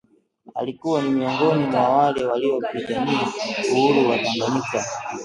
alikuwa ni miongoni mwa wale waliopigania uhuru wa Tanganyika